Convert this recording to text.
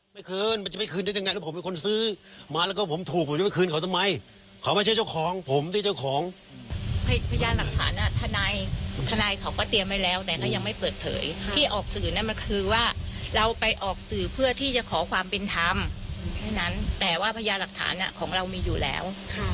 เพื่อที่จะขอความเป็นธรรมแต่ว่าพญาหลักฐานของเรามีอยู่แล้ว